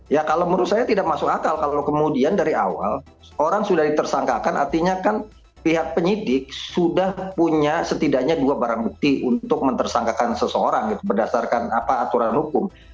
ya kalau menurut saya tidak masuk akal kalau kemudian dari awal orang sudah ditersangkakan artinya kan pihak penyidik sudah punya setidaknya dua barang bukti untuk mentersangkakan seseorang berdasarkan apa aturan hukum